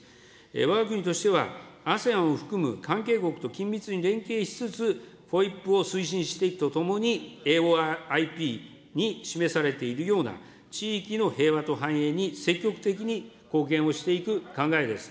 わが国としては、ＡＳＥＡＮを含む関係国と緊密に連携しつつ、フォイップを推進していくとともに、ＡＯＩＰに示されているような、地域の平和と繁栄に積極的に貢献をしていく考えです。